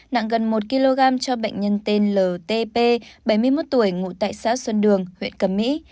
nặng gần một kg cho bệnh nhân tên ltp bảy mươi một tuổi ngủ tại xã xuân đường huyện cầm mỹ